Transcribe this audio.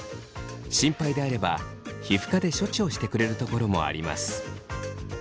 心配であれば皮膚科で処置をしてくれるところもあります。